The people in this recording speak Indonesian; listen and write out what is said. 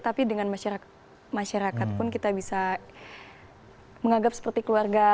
tapi dengan masyarakat pun kita bisa menganggap seperti keluarga